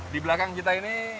di belakang kita ini